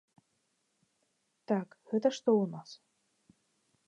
Так, гэта што ў нас.